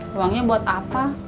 ruangnya buat apa